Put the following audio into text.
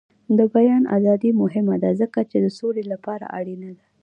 د بیان ازادي مهمه ده ځکه چې د سولې لپاره اړینه ده.